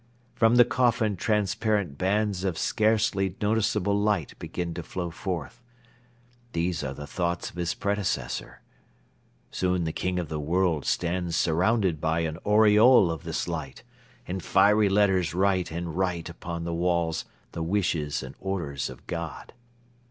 From the coffin transparent bands of scarcely noticeable light begin to flow forth. These are the thoughts of his predecessor. Soon the King of the World stands surrounded by an auriole of this light and fiery letters write and write upon the walls the wishes and orders of God.